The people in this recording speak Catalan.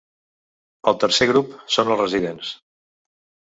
El tercer grup són els residents.